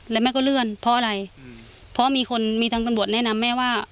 แล้วแม่ก็เลื่อนเพราะอะไรเพราะมีคนมีทางตำรวจแนะนำแม่ว่า